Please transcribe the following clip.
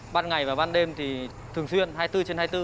ban ngày và ban đêm thì thường xuyên hai mươi bốn trên hai mươi bốn